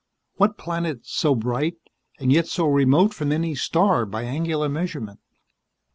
What planet so bright, and yet so remote from any star by angular measurement?